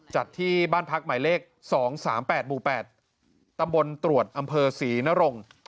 จัดที่บ้านพักหมายเลข๒๓๘หมู่๘ตำบลตรวจอำเภอศรีนรงค์